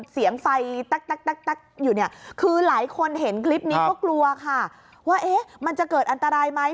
เสียงไฟตั๊กอยู่เนี่ยคือหลายคนเห็นคลิปนี้ก็กลัวค่ะว่ามันจะเกิดอันตรายไหม